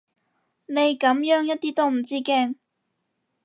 你噉樣一啲都唔知驚